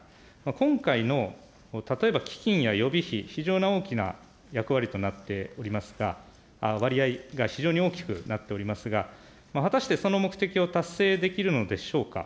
今回の例えば基金や予備費、非常に大きな役割となっておりますが、割合が非常に大きくなっておりますが、果たしてその目的を達成できるのでしょうか。